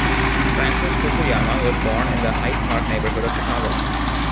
Francis Fukuyama was born in the Hyde Park neighborhood of Chicago.